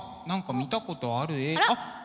何か見たことある絵あっ！